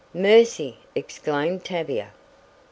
"Mercy!" exclaimed Tavia.